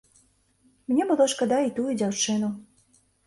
Мне было шкада і тую дзяўчыну.